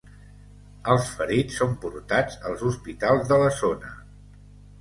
Els ferits són portats als hospitals de la zona.